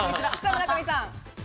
村上さん。